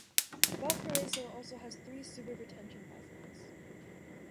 Valparaiso also has three sewer retention basins.